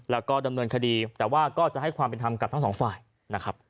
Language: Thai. แล้วก็ดำเนินคดีแต่ว่าก็จะให้ความเป็นธรรมกับทั้งสองฝ่ายนะครับ